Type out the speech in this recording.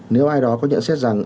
nếu ai đó có nhận xét rằng